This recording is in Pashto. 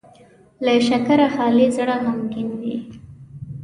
له شکره خالي زړه غمګين وي.